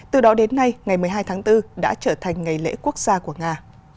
từ đó đến nay ngày một mươi hai tháng bốn đã trở thành ngày lễ quốc gia của nga